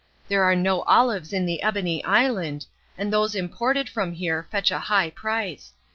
There are no olives in the Ebony Island, and those imported from here fetch a high price.